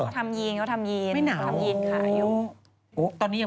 ทำยีนเขาทำยีน